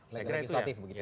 legislatif begitu ya